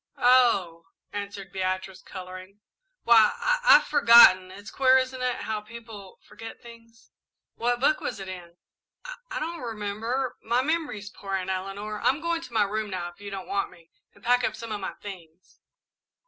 "Oh," answered Beatrice, colouring; "why, I I've forgotten. It's queer, isn't it, how people forget things?" "What book was it in?" "I I don't remember. My memory is poor, Aunt Eleanor. I'm going to my room, now, if you don't want me, and pack up some of my things."